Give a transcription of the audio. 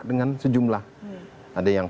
dengan sejumlah ada yang